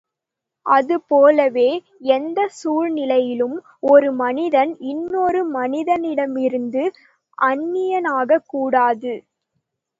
அதுபோலவே எந்தச் சூழ்நிலையிலும் ஒரு மனிதன் இன்னொரு மனிதனிடமிருந்து அந்நியனாகக் கூடாது.